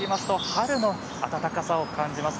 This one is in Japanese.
春の暖かさを感じます。